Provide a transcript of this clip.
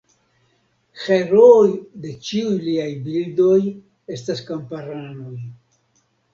Herooj de ĉiuj liaj bildoj estas kamparanoj.